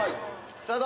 スタート